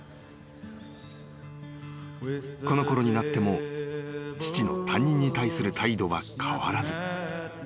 ［このころになっても父の他人に対する態度は変わらず］